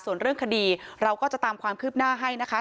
ส่วนเรื่องคดีเราก็จะตามความคืบหน้าให้นะคะ